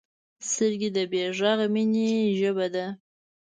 سترګې د بې غږه مینې ژبه ده